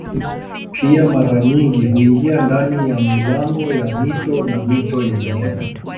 Pia mara nyingi huingia ndani ya milango ya mito na mito yenyewe.